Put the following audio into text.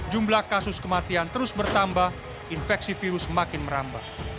jumlah kasus kematian terus bertambah infeksi virus semakin merambah